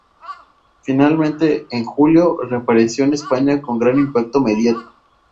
Finalmente, en julio reapareció en España, con gran impacto mediático.